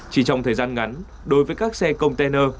chỉ trong thời gian ngắn đối với các xe công tơ nâu